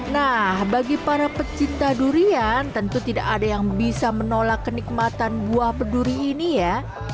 nah bagi para pecinta durian tentu tidak ada yang bisa menolak kenikmatan buah berduri ini ya